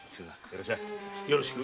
よろしく。